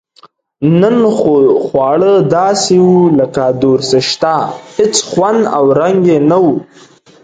نن خو خواړه داسې و لکه دورسشته هېڅ خوند او رنګ یې نه و.